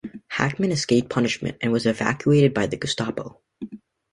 Hackmann escaped punishment and was evacuated by the Gestapo.